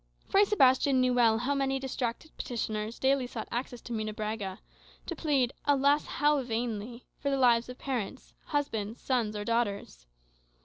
Fray Sebastian knew well how many distracted petitioners daily sought access to Munebrãga, to plead (alas, how vainly!) for the lives of parents, husbands, sons, or daughters.